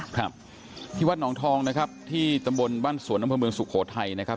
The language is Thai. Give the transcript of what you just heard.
ครับที่วัดหนองทองนะครับที่ตำบลบ้านสวนอำเภอเมืองสุโขทัยนะครับ